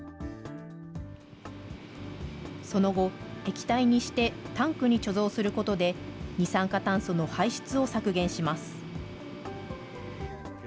その後、液体にしてタンクに貯蔵することで、二酸化炭素の排出を削減します。